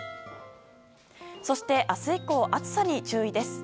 そして明日以降、暑さに注意です。